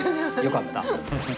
よかった。